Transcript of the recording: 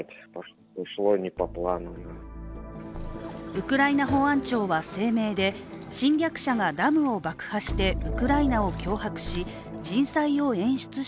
ウクライナ保安庁は声明で侵略者がダムを爆破してじっとしてて３！